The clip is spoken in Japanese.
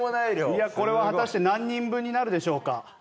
いやこれは果たして何人分になるでしょうか？